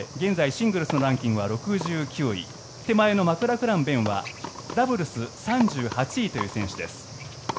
シングルスのランキングは６９位手前のマクラクラン勉はダブルス３８位という選手です。